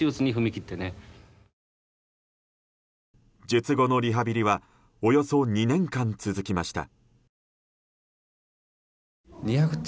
術後のリハビリはおよそ２年間続きました。